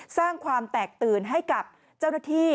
สร้างความแตกตื่นให้กับเจ้าหน้าที่